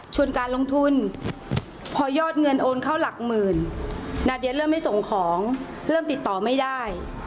การลงทุนพอยอดเงินโอนเข้าหลักหมื่นนาเดียเริ่มไม่ส่งของเริ่มติดต่อไม่ได้